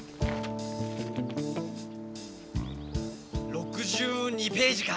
６２ページか！